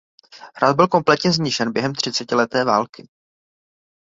Hrad byl kompletně zničen během třicetileté války.